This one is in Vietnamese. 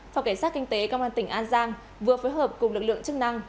phòng cảnh sát kinh tế công an tỉnh an giang vừa phối hợp cùng lực lượng chức năng